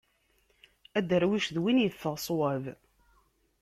Adarwic d win yeffeɣ swab.